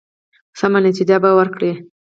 سمه نتیجه به ورکړي.